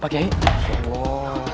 pak ei ya jangan